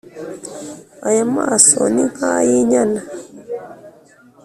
aya maso ni nk’ayi inyana